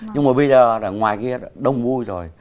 nhưng mà bây giờ ngoài kia đông vui rồi